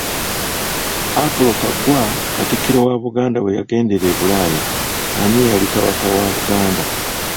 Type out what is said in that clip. Apollo Kaggwa Katikkiro wa Buganda we yagendera e Bulaaya, ani yali Kabaka wa Buganda.